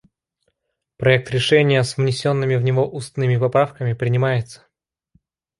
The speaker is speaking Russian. Проект решения с внесенными в него устными поправками принимается.